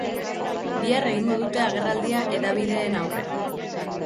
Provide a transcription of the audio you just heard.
Bihar egingo dute agerraldia hedabideen aurrean.